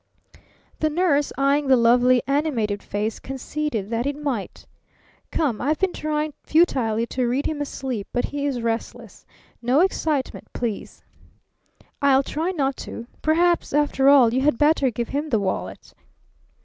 The nurse, eyeing the lovely animated face, conceded that it might. "Come, I've been trying futilely to read him asleep, but he is restless. No excitement, please." "I'll try not to. Perhaps, after all, you had better give him the wallet."